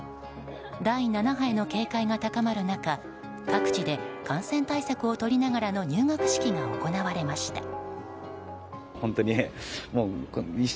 第７波への警戒が高まる中各地で感染対策をとりながらの入学式が行われました。